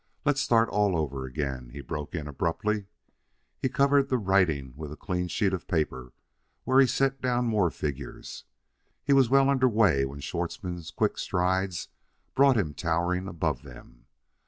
"Let's start all over again," he broke in abruptly. He covered the writing with a clean sheet of paper where he set down more figures. He was well under way when Schwartzmann's quick strides brought him towering above them.